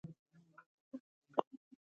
له رسول الله صلى الله عليه وسلم نه مي واورېدل